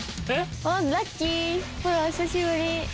久しぶり。